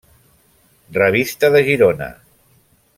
Revista de Girona.